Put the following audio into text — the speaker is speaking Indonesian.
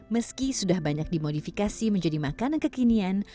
meski sudah banyak dimodifikasi menjadi makanan kekinian